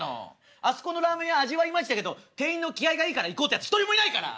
「あそこのラーメン屋味はいまいちだけど店員の気合いがいいから行こう」ってやつ一人もいないから！